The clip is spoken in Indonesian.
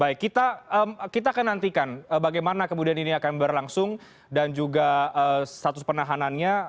baik kita akan nantikan bagaimana kemudian ini akan berlangsung dan juga status penahanannya